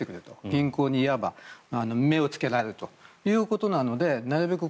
銀行にいわば目をつけられるということなのでなるべく